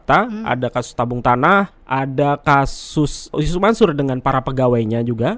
ada kasus yusuf mansur dengan para pegawainya juga